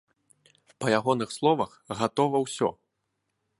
Па ягоных словах, гатова ўсё.